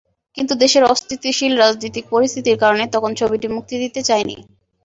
কিন্তু দেশের অস্থিতিশীল রাজনৈতিক পরিস্থিতির কারণে তখন ছবিটি মুক্তি দিতে চাইনি।